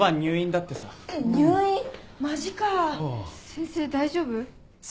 先生大丈夫？